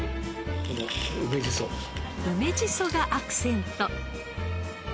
梅じそがアクセント。